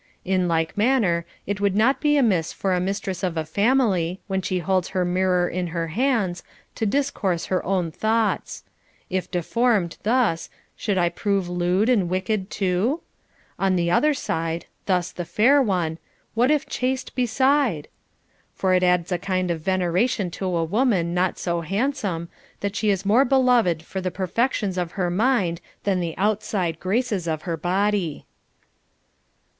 In like manner, it would not be amiss for a mistress of a family, when she holds her mirror in her hands, to discourse her own thoughts :— if deformed, thus, Should I prove lewd and wicked too ?— on the other side, thus the fair one, What if chaste beside \ For it adds a kind of veneration to a woman not so handsome, that she is more beloved for the perfections of her mind than the outside graces of her body.